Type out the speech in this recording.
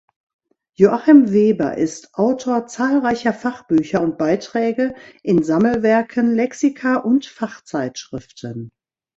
Joachim Weber ist Autor zahlreicher Fachbücher und Beiträge in Sammelwerken, Lexika und Fachzeitschriften.